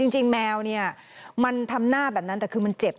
แมวเนี่ยมันทำหน้าแบบนั้นแต่คือมันเจ็บ